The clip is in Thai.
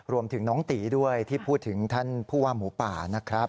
รวมถึงน้องตีด้วยที่พูดถึงท่านผู้ว่าหมูป่านะครับ